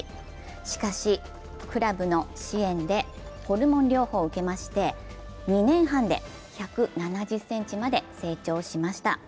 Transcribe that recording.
しかしクラブの支援でホルモン療法を受けまして２年半で１７０ｃｍまで成長しました。